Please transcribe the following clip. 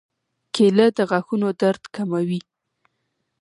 کېله د غاښونو درد کموي.